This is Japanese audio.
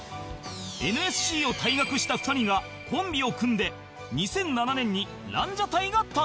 ＮＳＣ を退学した２人がコンビを組んで２００７年にランジャタイが誕生